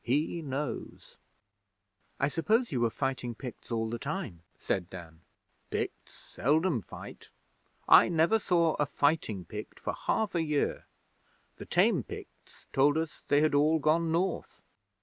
He knows!' 'I suppose you were fighting Picts all the time,' said Dan. 'Picts seldom fight. I never saw a fighting Pict for half a year. The tame Picts told us they had all gone North.'